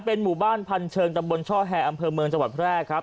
เป็นหมู่บ้านพันเชิงตำบลช่อแฮอำเภอเมืองจังหวัดแพร่ครับ